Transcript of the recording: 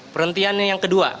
perhentian yang kedua